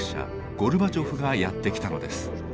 ゴルバチョフがやって来たのです。